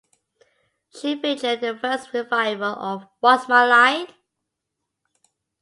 She featured in the first revival of What's My Line?